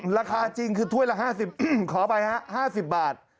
ราคาจริงคือถ้วยละ๕๐ขอไป๕๐บาท